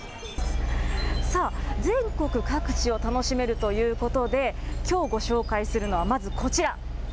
さあ、全国各地を楽しめるということで、ーきょうご紹介するのは、まずこちら。